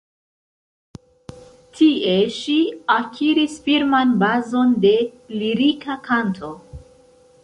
Tie, ŝi akiris firman bazon de lirika kanto.